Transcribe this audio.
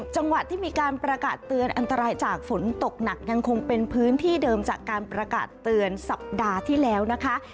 จังหวัดที่มีการประกาศเตือนอันตรายจากฝนตกหนักยังคงเป็นพื้นที่เดิมจากการประกาศเตือนสัปดาห์ที่แล้วนะคะ